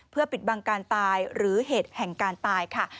เพื่อปิดบังการตายหรือเหตุแห่งการตายค่ะ